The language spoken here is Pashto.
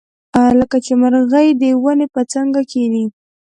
کله چې مرغۍ د ونې په څانګه کیني.